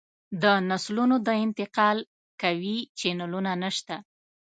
د نسلونو د انتقال قوي چینلونه نشته